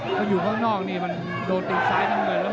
ก็อยู่ข้างนอกนี่มันโดนติดซ้ายทั้งหมดเลยนะครับ